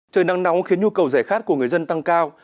trời nắng nóng khiến nhu cầu rẻ khát của người dân tăng cao